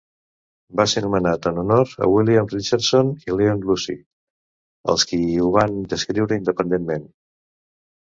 Va ser nomenat en honor a William Richardson i Leon Lucy, els qui ho van descriure independentment.